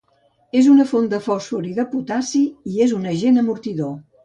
És una font de fòsfor i de potassi i és un agent amortidor.